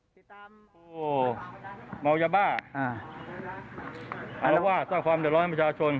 พี่ตามโอ้มัวจะบ้าอ่าเราว่าสร้างความเดินร้อยให้ประชาชน